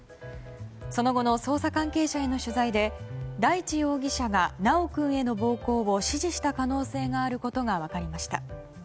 その後の捜査関係者への取材で大地容疑者が修君への暴行を指示した可能性があることが分かりました。